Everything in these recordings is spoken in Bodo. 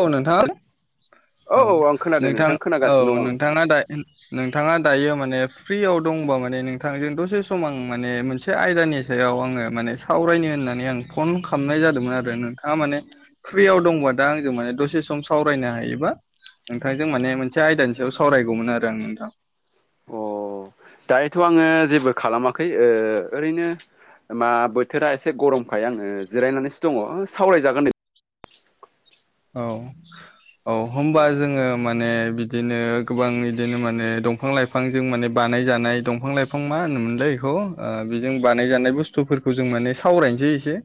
औ नोंथां औ आं खोनादों नोंथां औ खोनागासिनो दं आं नोंथाङा दा नोंथाङा दायो माने फ्रियाव दंबा माने नोंथांजों दसे सम आं माने मोनसे आयदानि सायाव आङो माने सावरायनो होननानै आं फन खालामनाय जादोंमोन आरो नोंथाङा माने फ्रियाव दंबा दा आंजों माने दसे सम सावरायनो हायोबा नोंथांजों माने मोनसे आयदानि सायाव सावरायगौमोन आरो आं नोंथां अ दायोथ' आङो जेबो खालामाखै ओरैनो मा बोथोरा एसे गरमखाय आङो जिरायनानैसो दङ सावरायजागोन दे औ औ होनबा जोङो माने बि दिनो गोबां बिदिनो माने दंफां लाइफांजों माने बानायजानाय दंफां लाइफां मा होनोमोनलाय बेखौ बेजों बानायजानाय बुस्थुफोरखौ जों माने सावरायनोसै एसे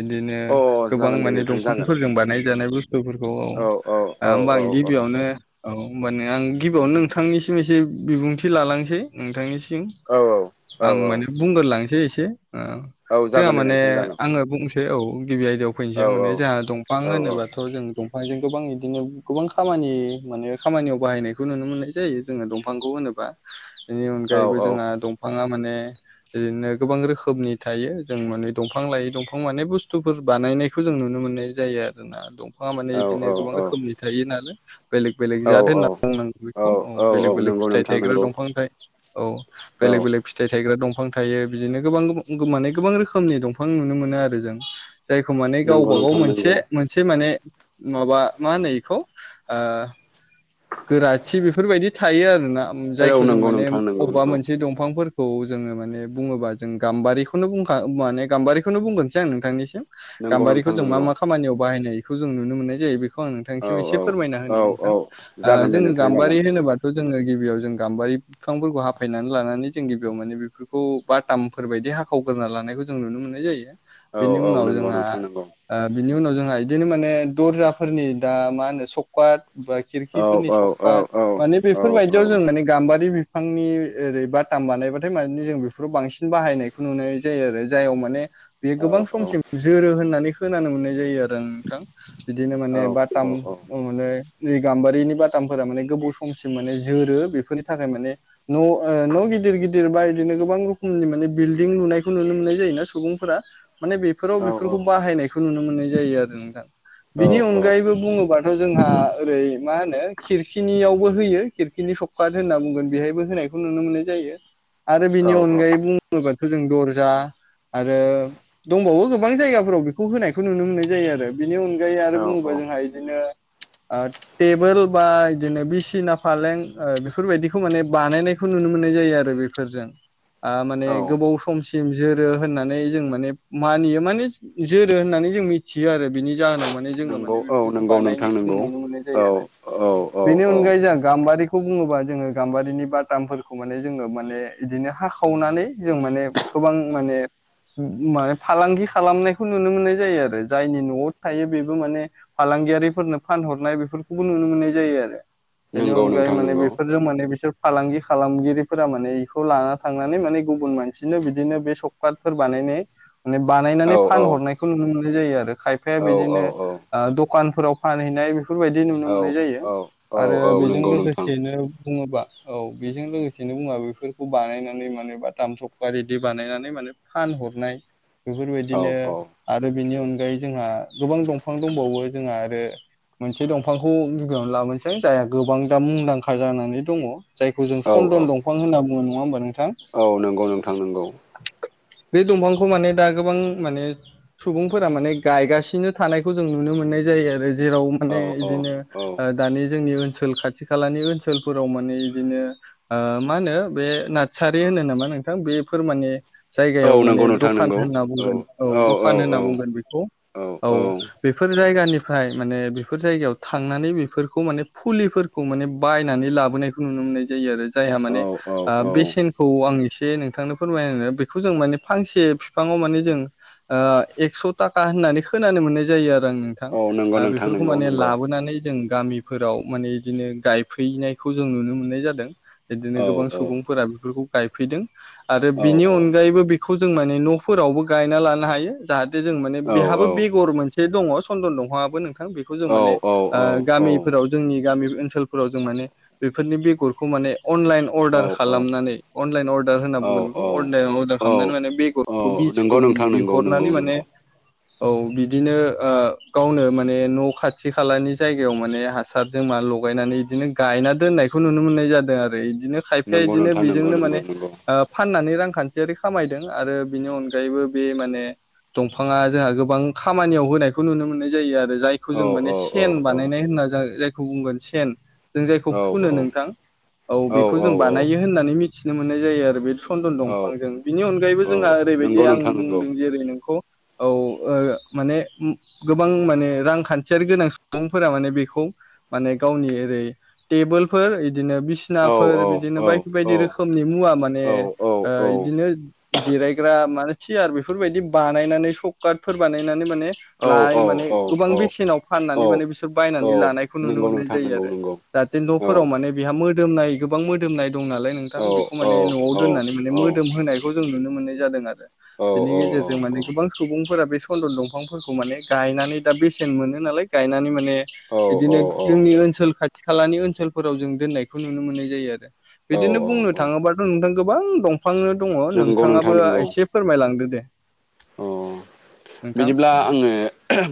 बिदिनो औ अ गोबां जागोन दे माने नोंथां जागोन दंफांफोरजों बानायजानाय बस्थुफोरखौ औ औ होमबा औ आं औ गिबियावनो औ होमबानिया आं गिबियावनो नोंथांनिसिम एसे बिबुंथि लालांनोसै नोंथांनिसि- म औ आं माने बुंग्रोलांसै एसे औ जोंहा जागोन दे माने नोंथां जागोन आङो बुंसै औ गिबि आयदायाव फैनोसै औ आं माने जोंहा दंफां औ औ औ होनोबा थ' जों दंफांजों गोबां बिदिनो गोबां खामानि माने खामानियाव बाहायनायखौ नुनो मोननाय जायो जोङो दंफांखौ होनोबा बेनि अनगायैबो जोंहा औ दंफाङा माने बिदिनो गोबां रोखोमनि थायो जों माने दंफां लायै दंफां माने बुस्थुफोर बानायनाय खौ जों नुनो मोननाय जायो आरोना दंफाङा माने औ इदिनो गोबां औ रोखोमनि थायो नालाय बेलेग बेलेग जाद होनना औ बुंनांगोन बेखौ औ बेलेग बेलेग नंगौ फिथाइ नोंथां थायग्रा नंगौ दंफां थायो औ औ बेलेग बेलेग फिथाइ थायग्रा दंफां थायो बिदिनो गोबां गोबां माने गोबां रोखोमनि दंफां नुनो मोनो आरो जों जायखौ माने नंगौ गावबा गाव नोंथां नंगौ मोनसे मोनसे माने माबा मा होनो एखौ गोराथि बेफोरबायदि थायो आरोना औ नंगौ जायखौ जों माने नोंथां नंगौ अबबा नंगौ मोनसे दंफांफोर खौ जोङो माने बुङोबा जों गाम्बारिखौनो बुंखा माने गाम्बारिखौनो बुंग्रोनोसै आं नोंथांनिसिम नंगौ नोंथां गाम्बारिखौ जों मा नंगौ मा खामानियाव बाहायनायखौ जों नुनो मोननाय जायो बे- खौ आं औ नोंथांनिसिम एसे फोरमायना औ होनि औ नोंथां जागोन दे जोङो नोंथां जागोन गाम्बारि होनोबाथ' जोङो गिबियाव जों गाम्बारि फिफांफोरखौ हाफायनानै लानानै जों गिबियाव माने बेफोरखौ बटामफोर बायदि हाखावगोरना लानायखौ जों नुनो मोननाय जायो औ बिनि औ उनाव नंगौ जोंहा। नोंथां नंगौ ओ बिनि उनाव जोंहा इदिनो माने दरजाफोरनि सककाद बा औ खिरखि। औ सककट औ मा। औ माने औ औ बेफोरबायदियाव जों माने गाम्बारि बिफांनि ओरै बाथाम बानायबाथाय माने जों बेफोराव बांसिन बाहायनाय। नुनाय जायो आरो जायाव माने। बे औ गोबां समसिम जोरो होननानै खोनानो मोननाय जायो आरो आं नोंथां। बिदिनो औ माने बाथाम माने गाम्बारिनि बा। थामफोरा माने गोबाव समसिम माने जोरो बेफोरनि थाखाय माने। न' ओ न' गिदिर गिदिर बा इदिनो गोबां रोखोमनि माने बिलडिं लुनायखौ नुनो मोननाय जायोना सुबुंफोरा। माने बेफोराव बेफोरखौ बाहायनायखौ नुनो मोननाय जायो आरो नोंथां। बिनि अनगायैबो बुङोबाथ' जोंहा ओरै मा होनो खिरखिनियावबो होयो खिरखिनि सककात होनना बुंगोन बेहायबो होनायखौ नुनो मोननाय जायो। आरो बेनि अनगायै बुङोबाथ' जों दर्जा आरो दंबावो गोबां जायगाफोराव बेखौ होनायखौ नुनो मोननाय जायो आरो। बिनि अनगायै आरो औ बुङोबा जोंहा इदिनो ओ टेबोल बा इदिनो बिसिना फालें ओ बेफोरबायदिखौ माने बानायनायखौ नुनो मोननाय जायो आरो बेफोरजों। आ माने औ गोबाव समसि सिम जोरो होननानै जों माने मानियो माने जोरो होननानै जों मिथियो आरो बिनि जाहोनाव। माने जोङो नंगौ माने औ बेफोरखौ नंगौ नोंथां बानायनायखौ जों नंगौ नुनो मोननाय औ जायो आरो औ औ बेनि औ अनगायै गाम्बारिखौ बुङोबा जोङो गाम्बारिनि बातामफोरखौ माने जोङो माने इदिनो हाखाव खावनानै जों माने गोबां माने माने फालांगि खालामनायखौ नुनो मोननाय जायो आरो जायनि न'आव थायो बेबो माने फालांगियारिफोरनो फानहरनाय बेफोरखौ नुनो मोननाय आरो बेनि नंगौ अनगायै नोंथां माने नंगौ बेफोरजों माने बिसोर फालांगि खालामगिरिफोरा माने इखौ लाना थांनानै माने गुबुन मानसिनो बिदिनो बे सब काटफोर बानायनाय माने औ बानायनानै औ फानहरनायखौ नुनो मोननाय जायो आरो खायफाया औ औ बिदिनो ओ दखानफोराव फानहैनाय बेफोरबायदि औ नुनो जायो औ औ आरो औ बेजों नंगौ नोंथां लोगोसेनो बुङोबा औ बेजों लोगोसेनो बुङा बेफोरखौ बानायनानै माने बा थाम सपखा रेदि बानायनानै माने फानहरनाय औ बेफोरबायदिनो औ आरो बेनि अनगायै जोंहा गोबां दंफां दंबावो जोंहा आरो एसे दंफांखौ गिबियावनो लाबोनोसै जायहा गोबां दा मुंदांखा जानानै दङ। जायखौ जों औ सन्दन दंफां होनना बुङो नङा होमबा नोंथां? औ नंगौ नोंथां नोंगौ। बे दंफांखौ माने दा गोबां माने सुबुंफोरा माने गायगासिनो थानायखौ जों नुनो मोननाय जायो आरो जेराव औ माने औ इदिनो औ दानि जोंनि ओनसोल खाथि खालानि ओनसोलफोराव माने इदिनो ओ मा होनो बे नारसारि होनो नामा बेफोर माने औ जायगायाव नंगौ माने नोंथां दखान नंगौ होनना बुंगोन। औ दखान होनना बुंगोन बेखौ औ बेफोर जायगानिफ्राय माने बेफोर जायगायाव थांनानै बेफोरखौ माने फुलिफोरखौ माने बायनानै लाबोनायखौ नुनो मोननाय जायो आरो। जायहा माने औ ओ औ बेसेनखौ आं एसे नोंथांनो फोरमायो बेखौ जों माने फांसे बिफाङाव माने जों ओ एक्स' थाखा होननानै खोनानो मोननाय जायो आरो आं नोंथां। औ नंगौ नोंथां नंगौ नंगौ। गबोनानै जों गामिफोराव माने इदिनो गायफैनायखौ जों नुनो मोननाय जादों। बिदिनो औ गोबां औ सुबुंफोरा बेफोरखौ गायफैदों। आरो औ बिनि अनगायैबो बेखौ जों माने न'फोरावबो गायना लानो हायो जाहा थे जों माने औ बेहाबो बेगर मोनसे दङ चन्दन दंफाङाबो नोंथां बेखौ जों माने औ औ ओ औ औ गामिफोराव जोंनि गामि ओनसोलफोराव जों माने बेफोरनि बेगरखौ माने अनलाइन अर्दार खालामनानै अनलाइन अर्दार होनना औ बुंगोन। बेखौ अर्दा अर्दार औ खालामनानै माने बेगरखौ औ नंगौ बिजखौ नोंथां नंगौ नंगौ बिहरनानै माने नंगौ औ बिदिनो ओ गावनो माने माने न' खाथि खालानि जायगायाव माने हासारजों मा लगायनानै बिदिनो गायना दोननाय खौ नुनो मोननाय जादों आरो इदिनो खायफाया नंगौ इदिनो नोंथां नंगौ बेजोंनो माने नंगौ नंगौ ओ फाननानै रांखान्थियारि खामायदों आरो बिनि अनगायैबो बे माने दंफाङा जोहा गोबां खामानियाव होनायखौ नुनो मोननाय जायो आरो। जायखौ औ जों औ माने औ सेन बानायनाय होनना जा-जायखौ बुंगोन सेन जों जायखौ औ फुनो नोंथां। औ बेखौ जों बानायो होननानै मिथिनो मोननाय जायो आरो बे सन्दन औ दंफांजों बिनि अनगायैबो औ जोंहा ओरैबायदि नंगौ आं नोंथां नंगौ बुंदों जेरै नोंखौ औ ओ माने उम गोबां माने रांखान्थियारि गोनां सुबुंफोरा माने बेखौ माने गावनि ओरै टेबोलफोर इदिनो औ बिसनाफोर औ बिदिनो औ बायदि औ बायदि रोखोमनि मुवा माने औ औ ओ इदिनो जिरायग्रा माने सियार बेफोरबायदि बानायनानै सकटफोर बानायनानै माने औ लाय औ माने औ। गोबां औ बेसेनाव फाननानै औ माने बिसोर औ बायनानै लानायखौ नुनो नंगौ मोननाय नोंथां जायो नंगौ आरो। नंगौ जाहाथे औ न'फोराव माने बेहा मोदोमनाय गोबां मोदोमनाय दं नालाय नोंथां औ बेखौ औ माने न'आव दोननानै औ माने मो दोम होनायखौ जों नुनो मोननाय जादों आरो। औ बेनि औ गेजेरजों औ माने गोबां सुबुंफोरा बे सन्दन दंफांफोरखौ माने गायनानै दा बेसेन मोनो नालाय गायनानै माने बिदिनो जोंनि ओनसोल खाथि खालानि ओनसोलफोराव जों दोननायखौ नुनो मोननाय जायो आरो। औ बिदिनो औ बुंनो औ थाङोबाथ' नोंथां गोबां दं। फांनो दङ नंगौ नोंथां नोंथाङाबो नंगौ एसे फोरमायलांदो दे। औ नोंथां बिदिब्ला आङो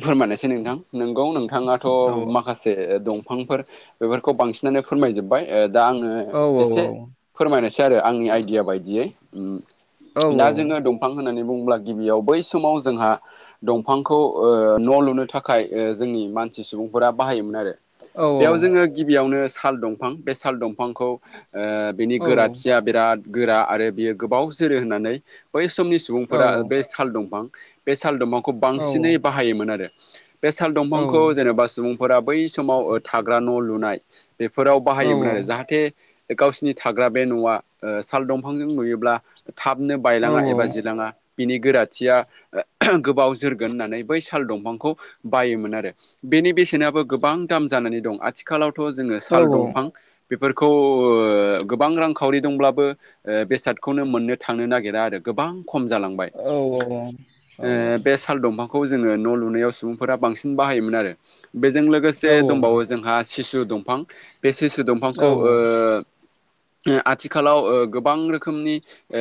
फोरमायनोसै नोंथां नंगौ नोंथाङाथ' औ माखा से दंफांफोर बेफोरखौ बांसिनानो फोरमायजोबबाय ओ दा आङो औ एसे औ फोरमायनोसै आरो आंनि आइडिया बायदियै ओम औ दा जोङो दं फां होननानै बुङोब्ला गिबियाव बै समाव जोंहा दंफांखौ ओ न' लुनो थाखाय ओ जोंनि मानसि सुबुंफोरा बाहायोमोन आरो। औ बेयाव जोङो गिबियावनो साल दंफां बे साल दंफांखौ ओ बिनि औ गोराथिया बिराद गोरा आरो बियो गोबाव जोरो होननानै बै समनि औ सुबुंफोरा बे साल दंफां बे साल दंफांखौ बांसिनै औ बाहायोमोन आरो बे साल दंफांखौ औ जेनेबा सुबुं फोरा बै समाव ओ थाग्रा न' लुनाय बेफोराव बाहायोमोन औ औ आरो जाहाथे गावसिनि थाग्रा बे न'आ ओ साल दंफांजों लुयोब्ला थाबनो औ बायलाङा एबा जिलाङा बिनि गोराथिया गोबाव जोरगोन होननानै बै साल दंफांखौ बाइयोमोन आरो। बेनि बेसेनाबो गोबां दाम जानानै दं आथिखालावथ' जोङो औ साल दंफां बेफोरखौ ओ गोबां रांखावरि दंब्लाबो ओ बेसादखौनो मोननो थांनो नागिरा आरो गोबां खम जालांबाय। औ औ औ। ओ औ बे साल दंफांखौ जोङो न' लुनायाव सुबुंफोरा बांसिन बाहायोमोन आरो। बेजों औ लोगोसे दंबावो जोंहा सिसु दंफां। बे सिसु औ दंफांखौ ओ आथिखालाव ओ गोबां रोखोमनि ओ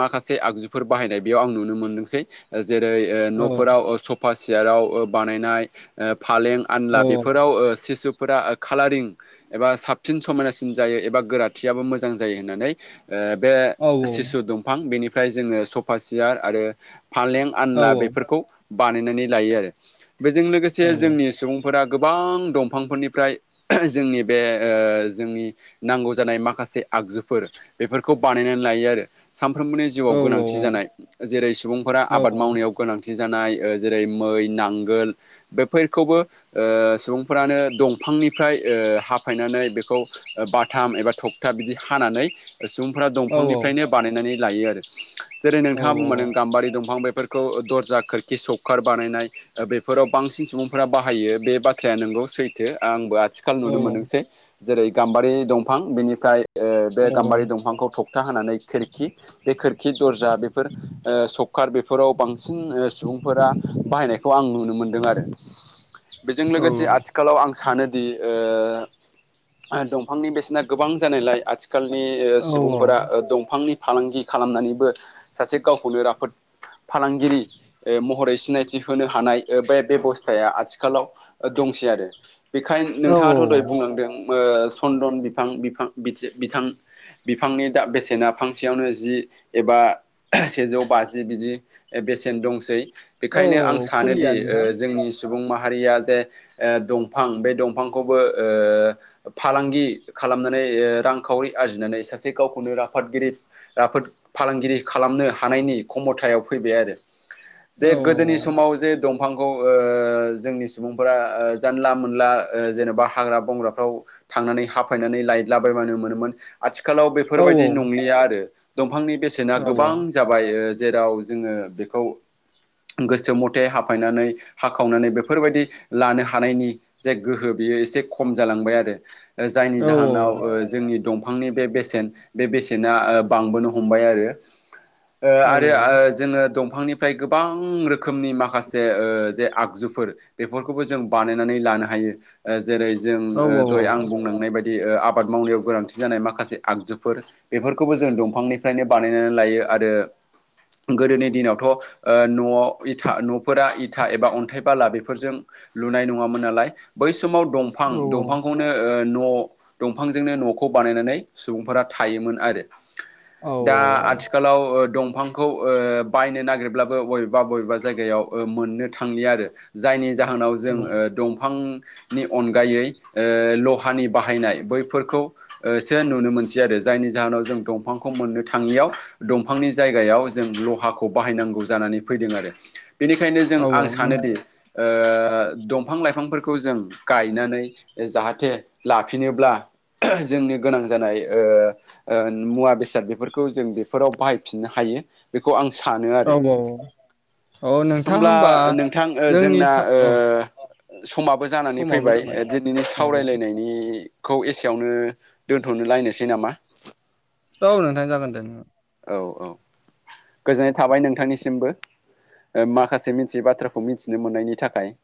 माखासे आगजुफोर बाहायनाय बेयाव आं नुनो मोनदोंसै। जेरै ओ न'फोराव ओ सफा सियाराव ओ बानायनाय ओ फालें आनला बेफोराव ओ सिसु फोरा खालारिं एबा साबसिन समायनासिन जायो एबा गोराथियाबो मोजां जायो होननानै ओ बे सिसु दंफां बेनिफ्राय जोङो सफा सियार आरो फालें आनला बेफोरखौ बानायनानै लायो आरो बेजों लोगोसे जोंनि सुबुं फोरा गोबां दंफांफोरनिफ्राय जोंनि बे ओ जोंनि नांगौ जानाय माखासे आगजुफोर बेफोरखौ बानायनानै लायो आरो। सानफ्रोमबोनि जिउआव गोनांथि जानाय जेरै सुबुंफोरा आबाद मावनायाव [unintelligible] गोनांथि जानाय ओ जेरै मै नांगोल बेफोरखौबो ओ सुबुंफोरानो दंफांनिफ्राय ओ हाफायनानै बेखौ ओ बाथाम एबा थक ता बिदि हानानै ओ सुबुंफोरा दंफांनिफ्रायनो बानायनानै लायो आरो जेरै नोंथाङा बुंलांदों गाम्बारि दंफां बेफोरखौ दरजा खोरखि सबखार बानायनाय ओ बेफोराव बांसिन सुबुंफोरा बाहायो बे बाथ्राया नोंगौ सैथो आंबो आथि खाल नुनो मोनोसै जेरै गाम्बारि दंफां बेनिफ्राय ओ बे गाम्बारि दंफांखौ थक ता हानानै खोरखि बे खोरखि दरजा बेफोर ओ सक कार बेफोराव बांसिन ओ सुबुंफोरा बाहायनायखौ आं नुनो मोनदों आरो। बेजों लोगोसे आथि खालाव आं सानोदि ओ दंफांनि बेसेना गोबां जानायलाय आथि खालनि ओ औ सुबुंफोरा ओ दंफांनि फालांगि खालामनानैबो सासे गावखौनो राफोद फालांगिरि ओ महरै सिनायथि होनो हानाय ओ बे बेबस्थाया आथिखालाव दंसै आरो। बेखाय औ नोंथाङाथ' दहाय बुंनांदों ओ चन्दन बिफां बिफां बिथि बिथां बिफांनि दा बेसेना फांसेयावनो जि एबा सेजौ बाजि जि बिदि ए बेसेन दंसै औ बेनिखायनो आं फुलिया सानोदि ओ नोंथां जोंनि सुबुंमाहारिया जे ए दंफां बे दंफांखौबो ओ फालांगि खालामनानै ओ रांखावरि आरजिनानै सासे गावखौनो राफादगिरि राफोद फालांगिरि खालामनो हानायनि खमथायाव फैबाय आरो औ जे गोदोनि समाव जे दं फांखौ ओ जोंनि सुबुंफोरा ओ जानला मोनला ओ जेनेबा हाग्रा बंग्राफ्राव थांनानै हाफायनानै लाइटला बायबानो मोनोमोन। आथिखालाव औ बेफोरबायदि नंलिया आरो दंफांनि बेसेना औ गोबां जाबाय ओ जेराव जोङो बेखौ गोसो मथे हाफायनानै हाखावनानै बेफोरबायदि लानो हानायनि जे गोहो बियो एसे खम जालांबाय आरो ओजायनि औ जाहोनाव ओ जोंनि दंफांनि बे बेसेन बे बेसेना ओ बांबोनो हमबाय आरो ओ औ आ जोङो दंफांनिफ्राय गोबां रोखोमनि माखासे ओ जे आगजुफोर बेफोरखौबो जों बानायनानै लानो हायो ओ जेरै जों औ ओ दय आं बुंलांनाय बाय दि ओ आबाद मावनायाव गोनांथि जानाय माखासे आगजुफोर बेफोरखौबो जों दंफांनिफ्रायनो बानायनानै लायो आरो गोदोनि दिनावथ' ओ न' इथा न'फोरा इथा एबा अन्थाइ बाला बेफोरजों लुनाय नङामोन नालाय बै समाव दंफां औ औ दंफांखौ नो ओ न' दंफांजोंनो न'खौ बानायनानै सुबुंफोरा थायोमोन आरो। दा आथिखालाव ओ दं फांखौ ओ बायनो नागिरब्लाबो बबेबा बबेबा जायगायाव ओ मोननो थांलिया आरो। जायनि जाहोनाव जों ओ दंफांनि अनगायै ओ ल हानि बाहायनाय बैफोरखौ ओ सो नुनो मोनसै आरो जायनि जाहोनाव जों दंफांखौ मोननो थाङियाव दंफांनि जायगायाव जों लहाखौ बाहायनांगौ जानानै फैदों आरो बेनिखायनो जों आं नोंथां सानोदि ओ दंफां लाइफांफोरखौ जों गायनानै जाहाथे लाफिनोब्ला जोंनि गोनां जानाय ओ ओ मुवा बेसाद बेफोरखौ जों बेफोराव बाहाय फिननो हायो बेखौ आं सानो औ आरो। औ नोंथां होमब्ला होमबा नोंथां ओ जोंनि जोंना स- औ ओ समाबो जानानै समाबो फैबाय जाबाय दिनैनि औ औ सावरायलायनाय बिखौ एसेयावनो दोनथ'नो लायनोसै नामा? औ नोंथां जागोन दे। औ औ गोजोननाय थाबाय नोंथांनिसिमबो। ओ माखासे मिनथियै बाथ्राखौ मिथिनो मोननायनि थाखाय